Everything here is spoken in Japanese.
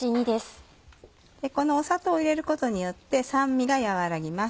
この砂糖を入れることによって酸味が和らぎます。